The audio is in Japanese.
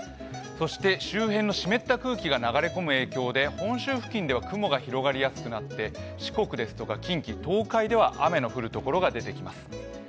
そして、周辺の湿った空気が流れ込む影響で、本州付近では雲が広がりやすくなって四国ですとか東海、近畿東海では雨の降る所が出てきます。